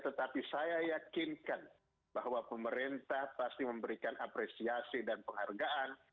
tetapi saya yakinkan bahwa pemerintah pasti memberikan apresiasi dan penghargaan